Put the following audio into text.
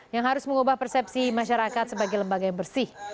yang harus mengubah persepsi masyarakat sebagai lembaga yang bersih